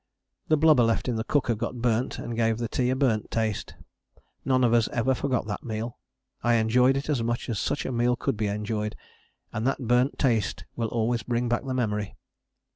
The blubber left in the cooker got burnt and gave the tea a burnt taste. None of us ever forgot that meal: I enjoyed it as much as such a meal could be enjoyed, and that burnt taste will always bring back the memory.